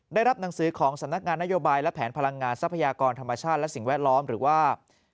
ได้รับหนังสือของสำนักงานนโยบายและแผนพลังงานทรัพยากรธรรมชาติและสิ่งแวดล้อมหรือว่า